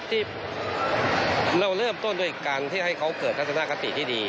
ที่เราเริ่มต้นด้วยการที่ให้เขาเกิดทัศนคติที่ดี